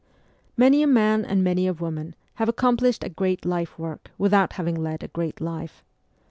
Many a man and many a woman have accomplished a great life work without having led a great life.